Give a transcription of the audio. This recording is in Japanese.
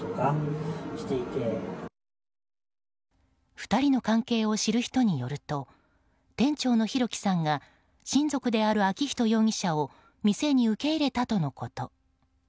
２人の関係を知る人によると店長の弘輝さんが親族である昭仁容疑者を店に受け入れたとのこと。